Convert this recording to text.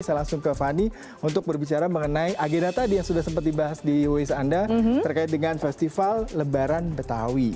saya langsung ke fani untuk berbicara mengenai agenda tadi yang sudah sempat dibahas di wis anda terkait dengan festival lebaran betawi